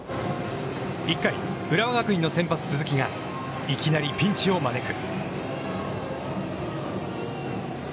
１回、浦和学院の先発・鈴木がいきなりピンチを招く。